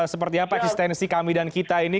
seperti apa eksistensi kami dan kita ini